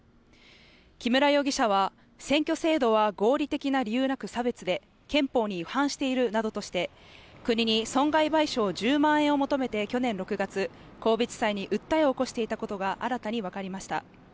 木村容疑者は、選挙制度は合理的な理由なく差別で、憲法に違反しているなどとして国に損害賠償１０万円を求めて去年６月、神戸地裁に訴えを起こしていたことが新たにわかりました。